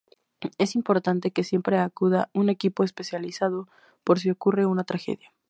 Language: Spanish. Es importante que siempre acuda un equipo especializado por si ocurre una tragedia.